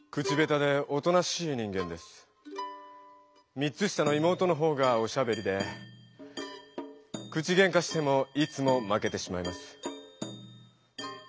３つ下の妹の方がおしゃべりで口ゲンカしてもいつもまけてしまいます。